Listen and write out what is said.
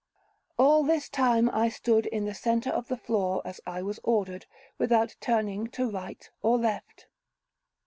All this time, I stood in the centre of the floor, as I was ordered, without turning to right or left.